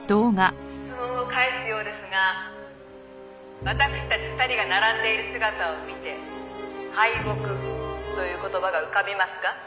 「質問を返すようですが私たち２人が並んでいる姿を見て“敗北”という言葉が浮かびますか？」